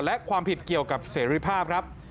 และความผิดเกี่ยวกับเสรีภาพครับ